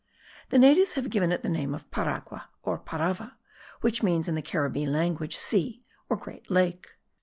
The natives have given it the name of Paragua or Parava, which means in the Caribbee language sea, or great lake.